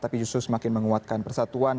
tapi justru semakin menguatkan persatuan